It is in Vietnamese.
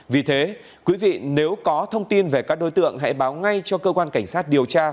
vì thế quý vị nếu có thông tin về các đối tượng hãy báo ngay cho cơ quan cảnh sát điều tra